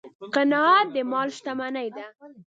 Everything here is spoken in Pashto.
قناعت د مال شتمني ده.